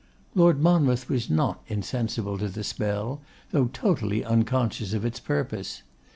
Lord Monmouth was not insensible to the spell, though totally unconscious of its purpose.